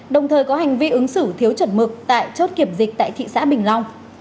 đồng thời có hành vi ứng xử thiếu chuẩn mực tại chốt kiểm dịch tại thị xã bình long